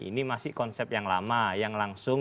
ini masih konsep yang lama yang langsung